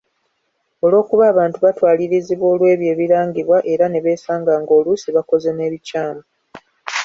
Olwokuba abantu batwalirizibwa olw'ebyo ebirangibwa era ne beesanga ng'oluusi bakoze n'ebikyamu.